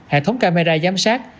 hệ thống camera giám sát